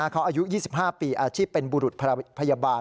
เขาอายุ๒๕ปีอาชีพเป็นบุรุษพยาบาล